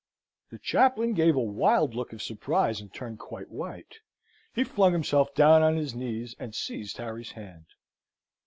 The chaplain gave a wild look of surprise, and turned quite white. He flung himself down on his knees and seized Harry's hand.